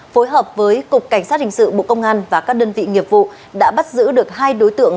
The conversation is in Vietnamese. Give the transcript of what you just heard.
phối hợp với cục cảnh sát hình sự bộ công an và các đơn vị nghiệp vụ đã bắt giữ được hai đối tượng